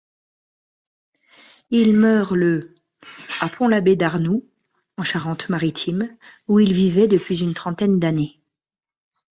Il meurt le à Pont-l'Abbé-d'Arnoult, en Charente-Maritime, où il vivait depuis une trentaine d'années.